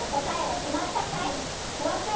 きまったよ！